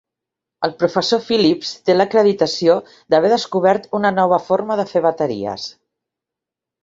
El professor Phillips té l'acreditació d'haver descobert una nova forma de fer bateries.